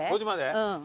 うん。